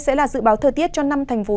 sẽ là dự báo thời tiết cho năm thành phố